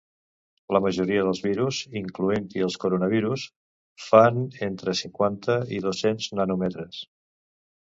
La majoria dels virus, incloent-hi els coronavirus, fan entre cinquanta i dos-cents nanòmetres.